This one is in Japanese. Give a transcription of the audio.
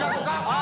あ！